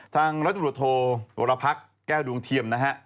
ทางรัฐบุรโธโทรพรภักร์แก้วดุงเทียมนะฮะ